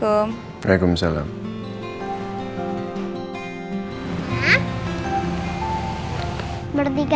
apa pas dramatis ya